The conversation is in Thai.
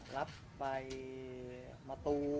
รับใบมะตูม